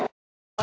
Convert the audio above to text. あ！